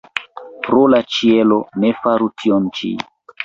Pro la ĉielo, ne faru tion ĉi!